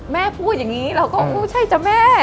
พูดอย่างนี้เราก็อู้ใช่จ้ะแม่